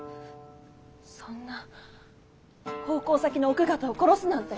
そんな奉公先の奥方を殺すなんて。